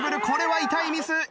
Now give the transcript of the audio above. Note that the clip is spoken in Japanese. これは痛いミス。